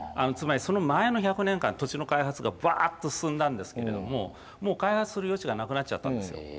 つまりその前の１００年間土地の開発がバっと進んだんですけれどももう開発する余地がなくなっちゃったんですよ。